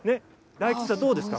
大吉さん、どうですか。